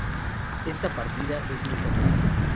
Esta partida es muy famosa.